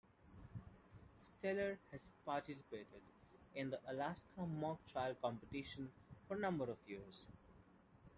Steller has participated in the Alaska Mock Trial Competition for a number of years.